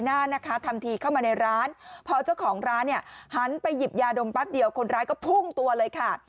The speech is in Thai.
หันไปหยิบยาดมปั๊กเดียวคนร้ายก็พุ่งตัวเลยค่ะ